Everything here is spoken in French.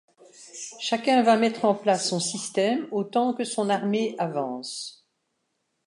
Chacun va mettre en place son système autant que son armée avance.